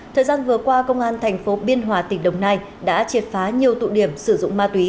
thời gian vừa qua công an thành phố biên hòa tỉnh đồng nai đã triệt phá nhiều tụ điểm sử dụng ma túy